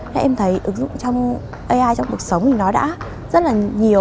thế em thấy ứng dụng trong ai trong cuộc sống thì nó đã rất là nhiều